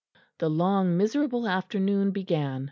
The long miserable afternoon began.